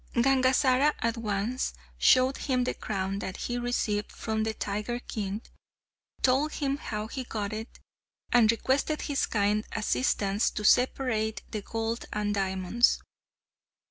Gangazara at once showed him the crown that he received from the tiger king, told him how he got it, and requested his kind assistance to separate the gold and diamonds.